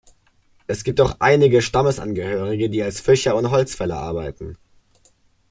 Es gibt auch einige Stammesangehörige, die als Fischer und Holzfäller arbeiten.